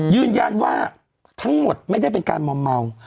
ยืนยันว่าทั้งหมดไม่ได้เป็นการมอมเมา